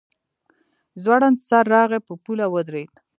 ځوړند سر راغی په پوله ودرېد.